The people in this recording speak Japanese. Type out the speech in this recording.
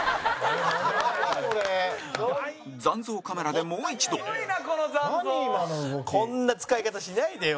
残像カメラで、もう一度山崎：こんな使い方しないでよ。